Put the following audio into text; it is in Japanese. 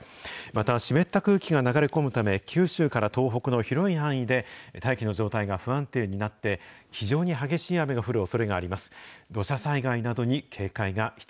また、湿った空気が流れ込むため、九州から東北の広い範囲で大気の状態が不安定になって、非常に激しい雨が降るおそれがあります。